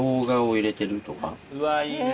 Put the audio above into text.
うわっいいね！